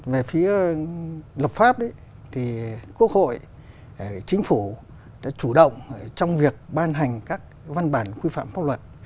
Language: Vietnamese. về phía lập pháp thì quốc hội chính phủ đã chủ động trong việc ban hành các văn bản quy phạm pháp luật